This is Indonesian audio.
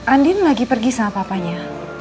andin lagi pergi sama papanya